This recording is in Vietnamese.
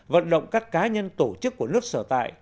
vận động các cá nhân tổ chức của nước sở tại